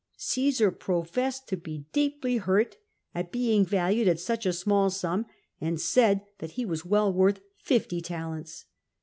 Caesar professed to be deeply hurt at being valued at such a small sum, and said that he was well worth fifty talents.